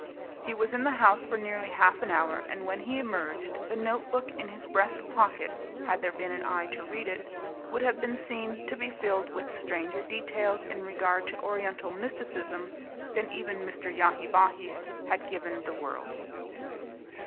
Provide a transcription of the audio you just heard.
He was in the house for nearly half an hour, and when he emerged, the notebook in his breast pocket, had there been an eye to read it, would have been seen to be filled with stranger details in regard to Oriental mysticism than even Mr. Yahi Bahi had given to the world.